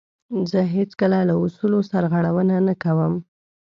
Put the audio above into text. زه هیڅکله له اصولو سرغړونه نه کوم.